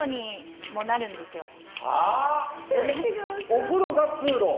お風呂が通路？